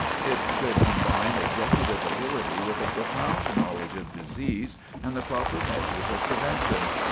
It should combine executive ability with a profound knowledge of disease and the proper measures of prevention.